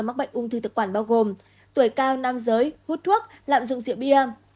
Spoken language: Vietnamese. mắc bệnh ung thư thực quản bao gồm tuổi cao nam giới hút thuốc lạm dụng rượu bia